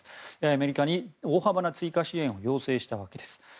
アメリカに大幅な追加支援を要請したわけです。